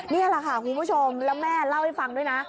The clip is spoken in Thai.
นี่แหละค่ะคุณผู้ชมแล้วแม่เล่าให้ฟังด้วยนะ